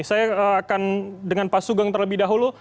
saya akan dengan pak sugeng terlebih dahulu